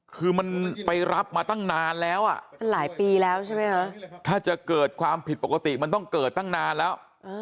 คือมันไปรับมาตั้งนานแล้วอ่ะมันหลายปีแล้วใช่ไหมคะถ้าจะเกิดความผิดปกติมันต้องเกิดตั้งนานแล้ว